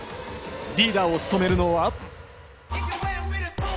リーダーを務めるのは。